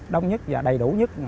đông nhất và đầy đủ nhất